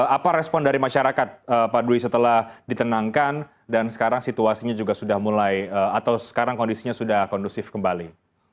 apa respon dari masyarakat pak dwi setelah ditenangkan dan sekarang situasinya juga sudah mulai atau sekarang kondisinya sudah kondusif kembali